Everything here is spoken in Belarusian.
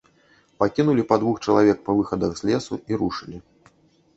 Пакінулі па двух чалавек па выхадах з лесу і рушылі.